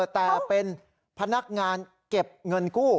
แต่เป็นพนักงานเก็บเงินกู้